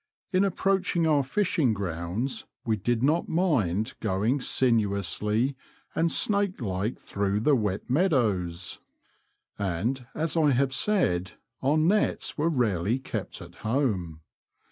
In approaching our fishing grounds we did not mind going sinuously and snake like through the wet meadows, and as I have said, our nets were rarely kept at home.